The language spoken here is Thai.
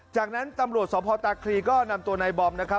จากนั้นตมสทกรีก็นำตัวนายบอลม